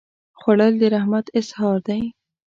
خوړل د رحمت اظهار دی